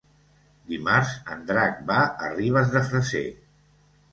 Dimarts en Drac va a Ribes de Freser.